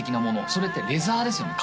それってレザーですよね